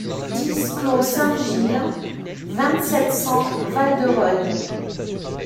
dix clos Saint-Gilles, vingt-sept, cent, Val-de-Reuil